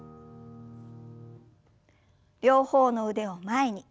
両方の腕を前に。